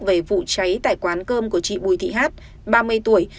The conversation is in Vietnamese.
về vụ cháy tại quán cơm của chị bùi thị hát ba mươi tuổi